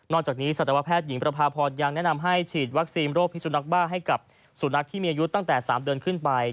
จากนี้สัตวแพทย์หญิงประพาพรยังแนะนำให้ฉีดวัคซีนโรคพิสุนักบ้าให้กับสุนัขที่มีอายุตั้งแต่๓เดือนขึ้นไป